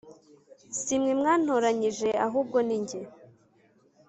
Si mwe mwantoranyije ahubwo ni jye